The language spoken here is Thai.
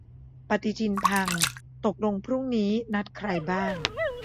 ปฏิทินพัง ตกลงพรุ่งนี้นัดใครบ้าง ?